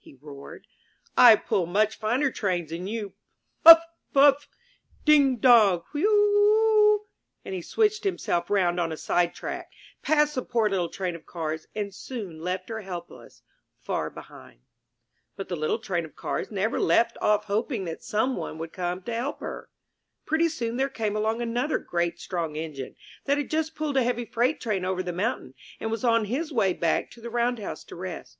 he roared. "I pull much finer trains than you! Puff, Puff! Ding, dong! Wheu eu eu!" And he switched himself round on a sidetrack, passed the poor little Train of Cars and soon left her helpless, far behind. But the little Train of Cars never left off hoping that some one would come to help her. Pretty soon there came along another great strong Engine, that had just pulled a heavy freight train over the mountain, and was on his way back to the round house to rest.